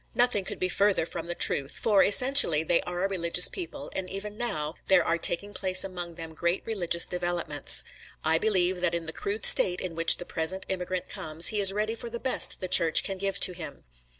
Nothing could be further from the truth; for essentially they are a religious people and even now there are taking place among them great religious developments. I believe that in the crude state in which the present immigrant comes, he is ready for the best the Church can give to him.